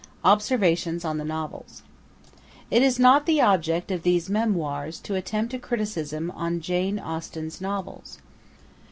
Observations on the Novels. It is not the object of these memoirs to attempt a criticism on Jane Austen's novels.